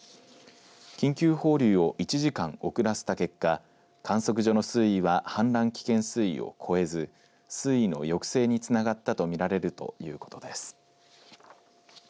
緊急放流を１時間遅らせた結果観測所の水位は氾濫危険水位を越えず水位の抑制につながったと見られるということです。